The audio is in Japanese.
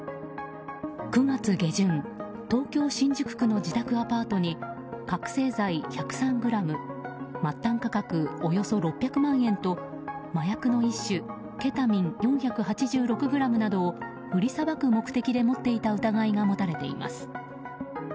９月下旬東京・新宿区の自宅アパートに覚醒剤１０３ｇ末端価格およそ６００万円と麻薬の一種ケタミン４８６ｇなどを売りさばく目的で持っていた疑いが持たれています。